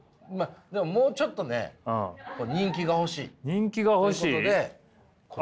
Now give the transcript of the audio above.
でももうちょっとね人気が欲しい。ということでこちらの方に。